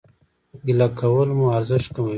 ګيله کول مو ارزښت کموي